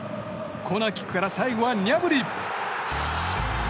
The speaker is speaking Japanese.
コーナーキックから最後はニャブリ。